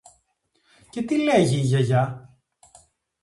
Και τι λέγει η Γιαγιά;